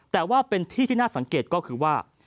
แต่ว่าเป็นที่ที่น่าสังเกตก็คือว่า